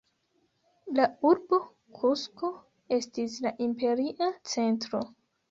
La urbo Kusko estis la imperia centro.